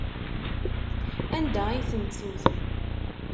Anda ay tent-tewtem?